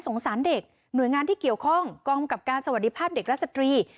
สารเด็กหน่วยงานที่เกี่ยวข้องกองกับการสวัสดีภาพเด็กและสตรี